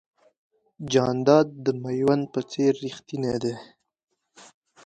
جانداد د مېوند په څېر رښتینی دی.